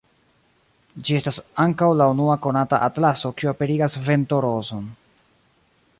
Ĝi estas ankaŭ la unua konata atlaso kiu aperigas ventorozon.